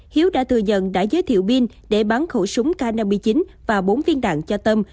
hiếu đã thừa nhận đã giới thiệu pin để bán khẩu súng k năm mươi chín và bốn viên đạn cho tâm